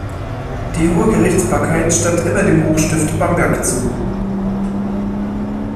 Die hohe Gerichtsbarkeit stand immer dem Hochstift Bamberg zu.